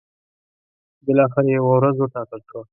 بالاخره یوه ورځ وټاکل شوه.